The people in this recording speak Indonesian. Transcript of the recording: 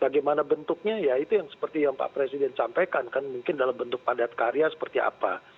bagaimana bentuknya ya itu yang seperti yang pak presiden sampaikan kan mungkin dalam bentuk padat karya seperti apa